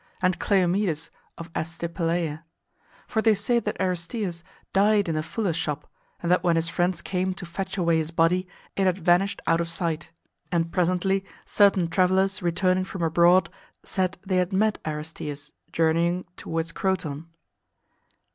and Cleomedes of Astypaleia.? For they say that Aristeas died in a fuller's shop, and that when his friends came to fetch away his body, it had vanished out of sight; and presently certain travellers returning from abroad said they had met Aristeas journeying towards Croton.